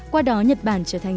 qua đó nhật bản trở thành